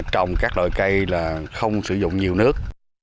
trong các loại cây không sử dụng nhiều nước